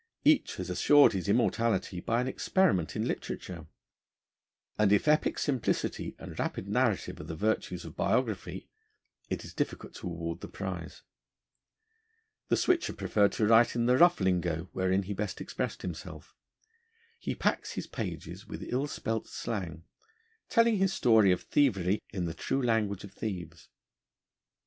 Each has assured his immortality by an experiment in literature; and if epic simplicity and rapid narrative are the virtues of biography, it is difficult to award the prize. The Switcher preferred to write in the rough lingo, wherein he best expressed himself. He packs his pages with ill spelt slang, telling his story of thievery in the true language of thieves.